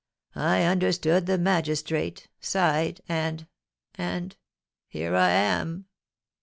I understood the magistrate, sighed, and and here I am!"